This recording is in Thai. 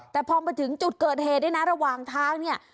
แต่พอมาถึงจุดเกิดเหตุด้วยนะระหว่างทางเนี่ย